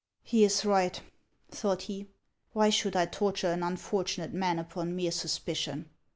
" He is right," thought he ;" why should I torture an unfortunate man upon mere suspicion